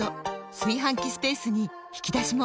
炊飯器スペースに引き出しも！